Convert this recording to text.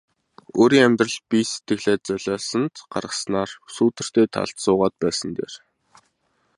Өөрийн амьдрал бие сэтгэлээ золиосонд гаргаснаас сүүдэртэй талд суугаад байсан нь дээр.